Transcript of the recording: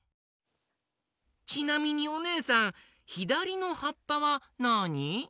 ちなみにおねえさんひだりのはっぱはなに？